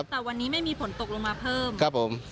แต่วันนี้ไม่มีผลตกลงมาเพิ่ม